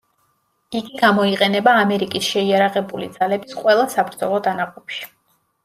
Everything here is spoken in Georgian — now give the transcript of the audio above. იგი გამოიყენება ამერიკის შეიარაღებული ძალების ყველა საბრძოლო დანაყოფში.